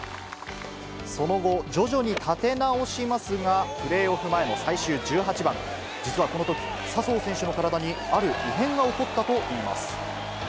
その後、徐々に立て直しますが、プレーオフ前の最終１８番、実はこのとき、笹生選手の体にある異変が起こったといいます。